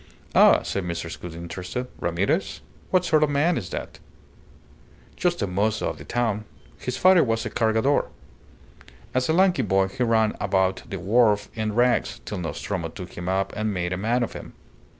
"Ah!" said Mrs. Gould, interested. "Ramirez? What sort of man is that?" "Just a mozo of the town. His father was a Cargador. As a lanky boy he ran about the wharf in rags, till Nostromo took him up and made a man of him.